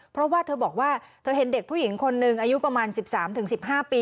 เพราะว่าเธอบอกว่าเธอเห็นเด็กผู้หญิงคนหนึ่งอายุประมาณ๑๓๑๕ปี